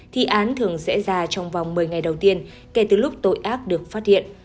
thì án thường diễn ra trong vòng một mươi ngày đầu tiên kể từ lúc tội ác được phát hiện